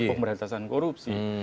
bicara soal pemberantasan korupsi